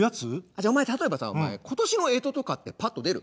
じゃあお前例えばさ今年の干支とかってパッと出る？